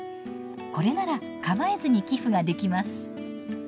これなら構えずに寄付ができます。